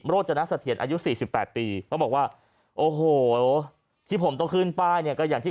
โรจนัสเถียนอายุ๔๘ปี